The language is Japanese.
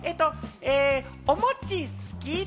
お餅、好き？